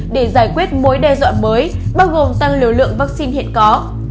để giải quyết mối đe dọa mới bao gồm tăng liều lượng vaccine hiện có